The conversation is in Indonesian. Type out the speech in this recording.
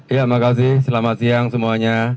ya makasih selamat siang semuanya